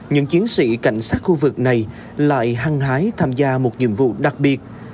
những chiến sĩ cảnh sát khu vực này lại hăng hái tham gia một nhiệm vụ đặc biệt